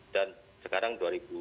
dan sekarang dua ribu sembilan belas